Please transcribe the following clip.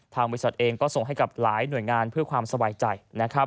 บริษัทเองก็ส่งให้กับหลายหน่วยงานเพื่อความสบายใจ